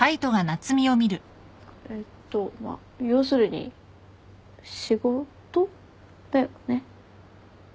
えっとまあ要するに仕事だよね？